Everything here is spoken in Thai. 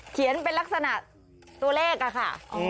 เขียนเป็นลักษณะตัวเลขอะค่ะ